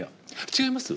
違います？